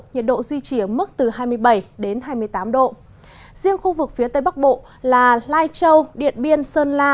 nhiệt độ duy trì ở mức từ hai mươi bảy đến hai mươi tám độ riêng khu vực phía tây bắc bộ là lai châu điện biên sơn la